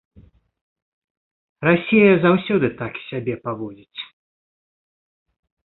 Расія заўсёды так сябе паводзіць.